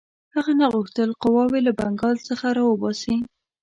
هغه نه غوښتل قواوې له بنګال څخه را وباسي.